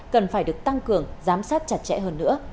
cần phải được tăng cường giám sát chặt chẽ hơn nữa